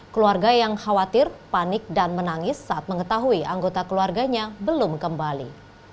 keluarga yang khawatir panik dan menangis saat mengetahui anggota keluarganya belum kembali